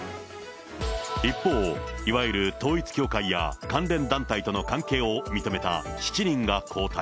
一方、いわゆる統一教会や関連団体との関係を認めた７人が交代。